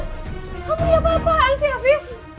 kamu apa apaan sih afif